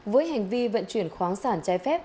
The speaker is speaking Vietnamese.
với hành vi vận chuyển khoáng sản trái phép